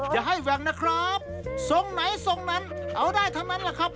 อย่าให้แหว่งนะครับทรงไหนทรงนั้นเอาได้ทั้งนั้นแหละครับ